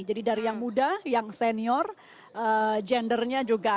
jadi dari yang muda yang senior gendernya juga